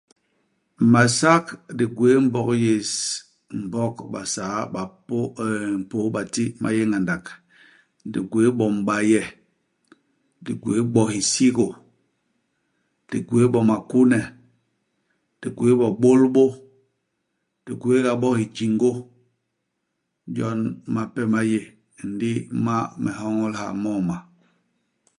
Masak di gwéé i Mbog yés, Mbog Basaa Bapô mm Mpôô Bati ma yé ngandak. Di gwéé bo m'baye, di gwéé bo hisigô, di gwéé bo makune, di gwéé bo bôlbô, di gwéé nga bo hijingô. Jon, mape ma yé, ndi ma me nhoñol ha, mo ma.